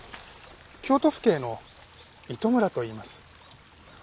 京都府警の糸村といいます。